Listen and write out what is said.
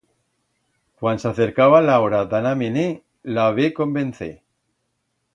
Cuan s'acercaba la hora d'anar-me-ne, la ve convencer.